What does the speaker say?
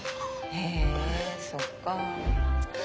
へえそっかあ。